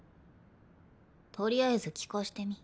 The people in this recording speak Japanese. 取りあえず聞かしてみ。